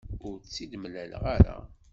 Ur tt-id-mlaleɣ ara.